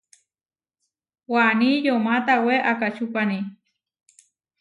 Waní yomá tawé akačúpani.